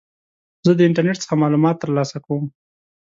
زه د انټرنیټ څخه معلومات ترلاسه کوم.